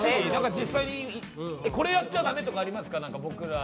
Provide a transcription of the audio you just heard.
実際に、これやっちゃ駄目とかありますか？